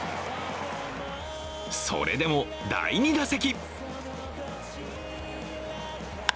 それでも第２打席。